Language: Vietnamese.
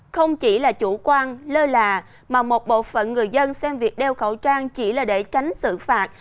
không chỉ là chủ quan lơ là mà một bộ phận người dân xem việc đeo khẩu trang chỉ là để tránh xử phạt